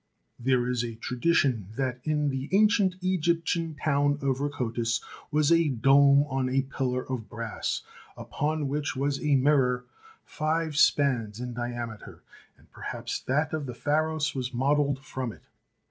There is a tradition that in the ancient Egyptian town of Rakotis was a dome on a pillar of brass, upon which was a mirror five spans in diameter, and perhaps that of the Pharos was modelled from it.